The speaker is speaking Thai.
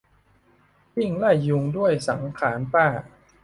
วิ่งไล่ลุงด้วยสังขารป้า